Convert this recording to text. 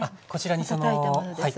たたいたものです。